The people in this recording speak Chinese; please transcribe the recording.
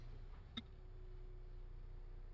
多斑凯基介为真花介科凯基介属下的一个种。